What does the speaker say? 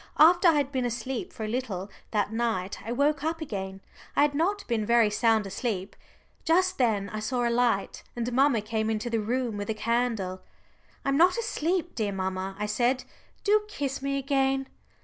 After I had been asleep for a little that night I woke up again I had not been very sound asleep. Just then I saw a light, and mamma came into the room with a candle. "I'm not asleep, dear mamma," I said. "Do kiss me again."